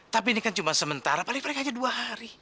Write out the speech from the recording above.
tapi ini kan cuma sementara paling mereka aja dua hari